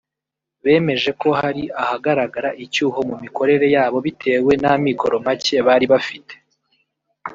bemeje ko hari ahagaraga icyuho mu mikorere yabo bitewe n’amikoro make bari bafite